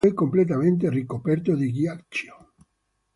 Il territorio è completamente ricoperto di ghiaccio.